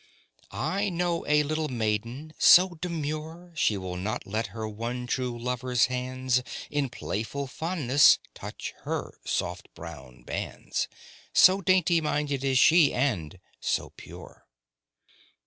(I know a little maiden so demure She will not let her one true lover's hands In playful fondness touch her soft brown bands So dainty minded is she, and so pure.)